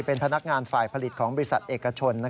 เป็นพนักงานฝ่ายผลิตของบริษัทเอกชน